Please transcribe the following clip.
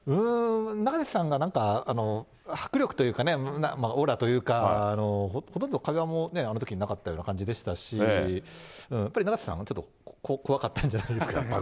永瀬さんがなんか、迫力というかね、オーラというか、ほとんど会話もあのときなかったような感じでしたからね、やっぱり永瀬さんが怖かったんじゃないんですか。